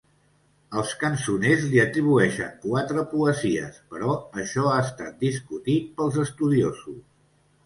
Els cançoners li atribueixen quatre poesies, però això ha estat discutit pels estudiosos.